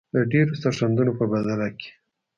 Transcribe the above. د ډیرو سرښندنو په بدله کې.